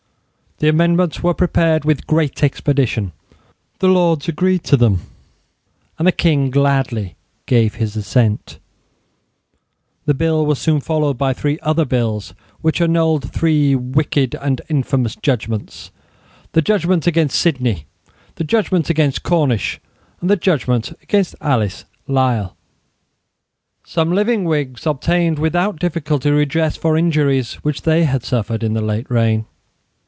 The amendments were prepared with great expedition: the Lords agreed to them; and the King gladly gave his assent, This bill was soon followed by three other bills which annulled three wicked and infamous judgments, the judgment against Sidney, the judgment against Cornish, and the judgment against Alice Lisle, Some living Whigs obtained without difficulty redress for injuries which they had suffered in the late reign.